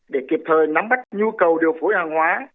để kịp thời nắm bắt nhu cầu điều phối hàng hóa